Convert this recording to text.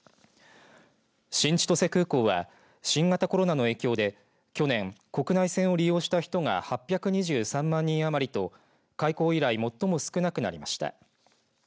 新千歳空港は新型コロナの影響で去年、国内線を利用した人が８２３万人余りと開港以来最も少なくなりました。